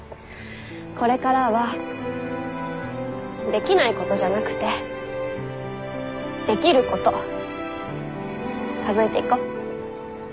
これからはできないことじゃなくてできること数えていこう。